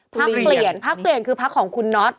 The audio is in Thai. ๒๐พรรคเปลี่ยนพรรคเปลี่ยนคือพรรคของคุณน็อต